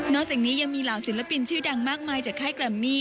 จากนี้ยังมีเหล่าศิลปินชื่อดังมากมายจากค่ายแกรมมี่